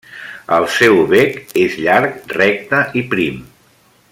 El seu bec és llarg, recte i prim.